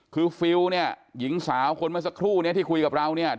คือฟิลล์เนี่ยหญิงสาวคนเมื่อสักครู่นี้ที่คุยกับเราเนี่ย